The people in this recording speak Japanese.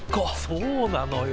そうなのよ。